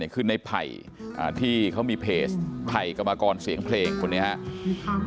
คือในไผ่ที่เขามีเพจไผ่กรรมกรเสียงเพลงคนนี้ครับ